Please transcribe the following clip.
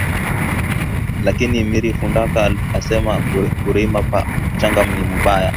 Lakini miri fundaka asema kurima pa muchanga ni mubaya